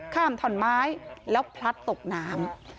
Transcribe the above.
ถ่อนไม้แล้วพลัดตกน้ำ